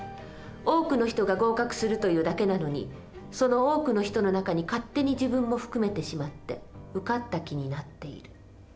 多くの人が合格するというだけなのにその多くの人の中に勝手に自分も含めてしまって受かった気になっている。